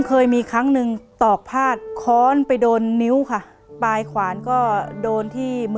เปลี่ยนเพลงเพลงเก่งของคุณและข้ามผิดได้๑คำ